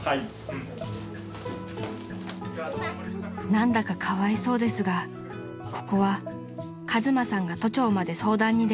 ［何だかかわいそうですがここは和真さんが都庁まで相談に出向き